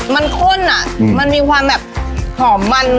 มันข้นอ่ะมันมีความแบบหอมมัน